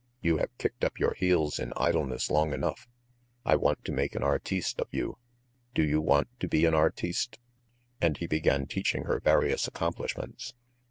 You have kicked up your heels in idleness long enough. I want to make an artiste of you. ... Do you want to be an artiste?" And he began teaching her various accomplishments.